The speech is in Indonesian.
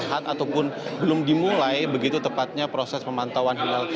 ataupun belum dimulai begitu tepatnya proses pemantauan hilal